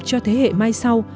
cho thế hệ mai sau